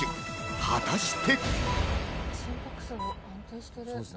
果たして。